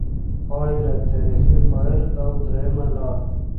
پایله: «تاریخي فاعل» او درېیمه لار